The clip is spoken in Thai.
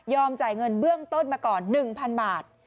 จ่ายเงินเบื้องต้นมาก่อน๑๐๐๐บาท